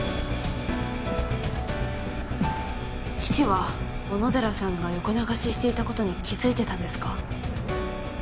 父は小野寺さんが横流ししていたことに気付いてたんですか？